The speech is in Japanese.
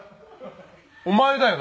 お前だよ。